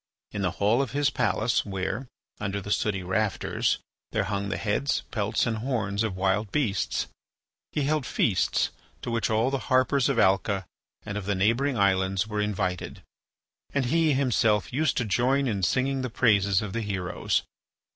In the hall of his palace where, under the sooty rafters, there hung the heads, pelts, and horns of wild beasts, he held feasts to which all the harpers of Alca and of the neighbouring islands were invited, and he himself used to join in singing the praises of the heroes.